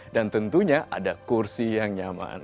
dan tentunya ada kursi yang nyaman